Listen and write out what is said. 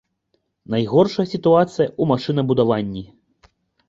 Найгоршая сітуацыя ў машынабудаванні.